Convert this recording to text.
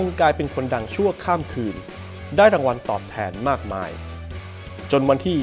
กลายเป็นคนดังชั่วข้ามคืนได้รางวัลตอบแทนมากมายจนวันที่